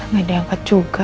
gak diangkat juga